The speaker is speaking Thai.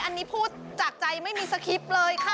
อันนี้พูดจากใจไม่มีสคริปต์เลยค่ะ